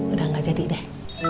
udah gak jadi deh